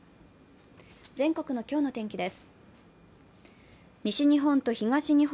全国の今日の天気です。